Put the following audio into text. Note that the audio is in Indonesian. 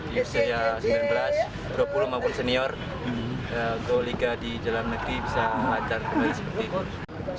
yuk saya sembilan belas dua puluh maupun senior dua liga di jalan negeri bisa mengacar kembali seperti itu